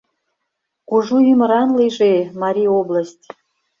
Кужу ӱмыран лийже Марий область!